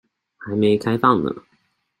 還沒開放呢